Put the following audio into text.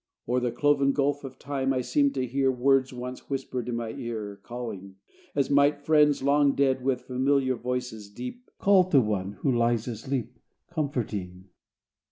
O'er the cloven Gulf of time I seem to hear Words once whispered in my ear, Calling as might friends long dead, With familiar voices deep, Call to one who lies asleep, Comforting.